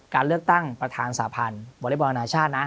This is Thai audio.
การเลือกตั้งประธานสาพันธ์วอเล็กบอลนาชาตินะ